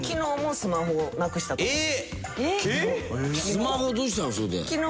スマホどうしたの？